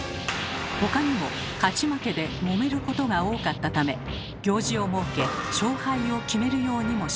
他にも勝ち負けでもめることが多かったため行司をもうけ勝敗を決めるようにもしました。